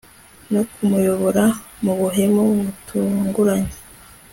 no kumuyobora mubuhemu butunguranye